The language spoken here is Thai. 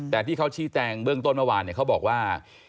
แต่ที่เขาชี้แจงเบื้องต้นเมื่อวานเขาบอกว่า